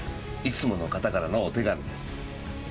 いつもの方からのお手紙です。